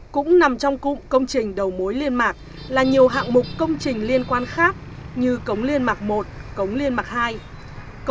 cũng nằm trong cụm công trình đầu mối liên mạc là nhiều hạng mục công trình liên quan khác như cống liên mạc một cống liên mạc hai